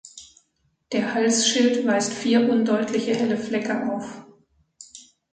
Der Halsschild weist vier undeutliche helle Flecke auf.